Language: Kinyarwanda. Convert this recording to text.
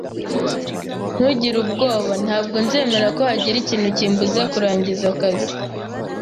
[S] Ntugire ubwoba. Ntabwo nzemera ko hagira ikintu kimbuza kurangiza akazi.